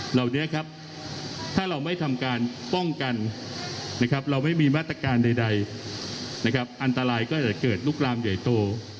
เหล่านี้ครับถ้าเราไม่ทำการป้องกันเราไม่มีมาตรการใดอันตรายก็จะเกิดลุกลามใหญ่โต